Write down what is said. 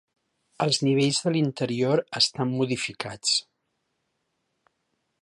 Els nivells de l'interior estan modificats.